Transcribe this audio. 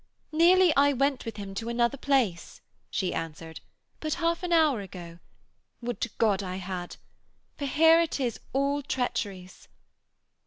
'Nearly I went with him to another place,' she answered, 'but half an hour ago. Would to God I had! for here it is all treacheries.'